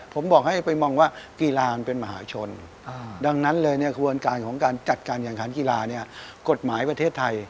ผมบอกให้ไปมองว่ากีฬามันเป็นมหาชนดังนั้นเลยเนี่ยขบวนการของการจัดการแข่งขันกีฬาเนี่ยกฎหมายประเทศไทย